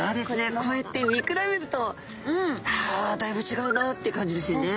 こうやって見比べるとあだいぶちがうなって感じですよね。